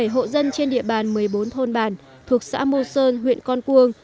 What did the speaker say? một mươi bảy hộ dân trên địa bàn một mươi bốn thôn bàn thuộc xã mô sơn huyện con cuông